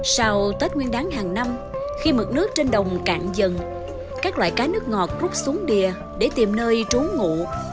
sau tết nguyên đáng hàng năm khi mực nước trên đồng cạn dần các loại cá nước ngọt rút xuống đìa để tìm nơi trú ngụ